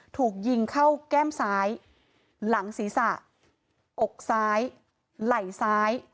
ถูกยิงเข้าแก้มซ้ายหลังศีรษะอกซ้ายไหล่ซ้าย